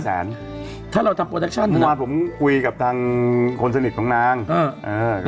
หลายแสนหลายแสนถ้าเราทำผมคุยกับทางคนสนิทของนางเออ